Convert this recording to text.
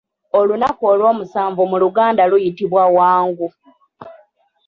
Olunaku olw'omusanvu mu luganda luyitibwa Wangu.